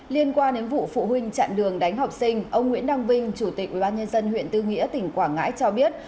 liên quan đến vụ phụ huynh chặn đường đánh học sinh ông nguyễn đăng vinh chủ tịch ubnd huyện tư nghĩa tỉnh quảng ngãi cho biết